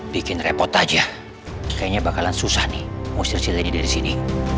bikin repot aja kayaknya bakalan susah nih muster siledi di sini